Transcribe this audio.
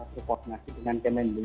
suport nasi dengan kmnb